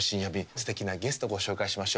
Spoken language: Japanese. すてきなゲストご紹介しましょう。